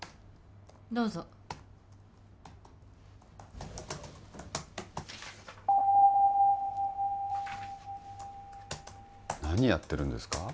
どうぞ何やってるんですか？